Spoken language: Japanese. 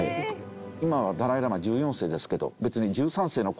今はダライ・ラマ１４世ですけど別に。